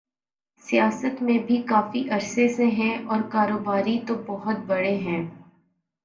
سیاست میں بھی کافی عرصے سے ہیں اور کاروباری تو بہت بڑے ہیں۔